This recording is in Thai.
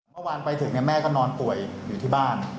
เมื่อวานไปถึงแม่ก็นอนป่วยอยู่ที่บ้าน